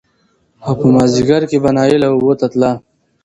او په مازديګر کې به نايله اوبو ته تله